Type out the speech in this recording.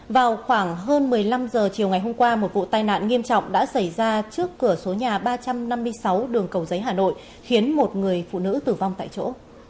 vào khoảng hơn một mươi năm h chiều ngày hôm qua một vụ tai nạn nghiêm trọng đã xảy ra trước cửa số nhà ba trăm năm mươi sáu đường cầu giấy hà nội khiến một người phụ nữ tử vong tại chỗ